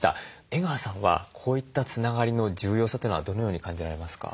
江川さんはこういったつながりの重要さというのはどのように感じられますか？